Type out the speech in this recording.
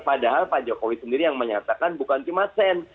padahal pak jokowi sendiri yang menyatakan bukan cuma sen